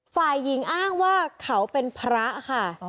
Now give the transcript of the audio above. ฝ่ายหญิงอ้างว่าเขาเป็นพระค่ะ